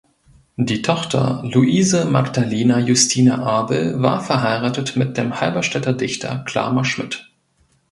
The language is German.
Die Tochter Louise Magdalena Justina Abel war verheiratet mit dem Halberstädter Dichter Klamer Schmidt.